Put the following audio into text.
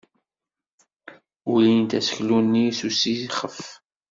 Ulint aseklu-nni s usixef.